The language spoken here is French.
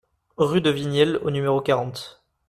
Rue de Vignelle au numéro quarante